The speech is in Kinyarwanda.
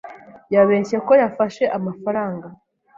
yabeshye ko yafashe amafaranga.